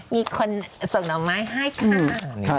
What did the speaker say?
มีคนส่งดอกไม้ให้ค่ะ